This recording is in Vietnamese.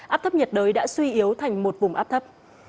áp thấp nhiệt đới đã suy yếu thành một vùng áp thấp